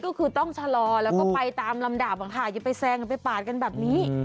ก็คือต้องชะลอแล้วก็ไปตามลำดับอย่าไปแซงอย่าไปปาดกันแบบนี้